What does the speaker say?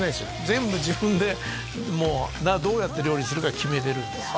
全部自分でもうどうやって料理するか決めてるんです